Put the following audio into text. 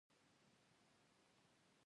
خل او نیمګړتیاوې باید څرګندې شي.